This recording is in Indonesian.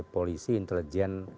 d gimbal ya